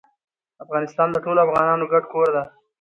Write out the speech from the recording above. افغانستان د ټولو افغانانو ګډ کور ده.